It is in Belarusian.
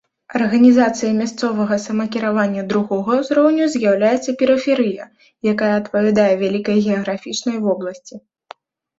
Арганізацыяй мясцовага самакіравання другога ўзроўню з'яўляецца перыферыя, якая адпавядае вялікай геаграфічнай вобласці.